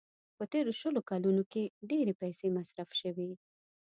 په تېرو شلو کلونو کې ډېرې پيسې مصرف شوې.